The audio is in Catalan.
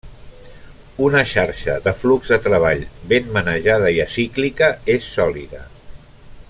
Una xarxa de flux de treball ben manejada i acíclica és sòlida.